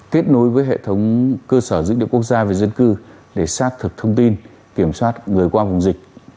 kết nối với hệ thống cơ sở dự định quốc gia và dân cư để xác thực thông tin kiểm soát người qua vùng dịch